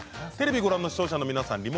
テレビをご覧の皆さん